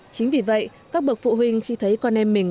chính vì vậy các bậc phụ huynh khi thấy con em mình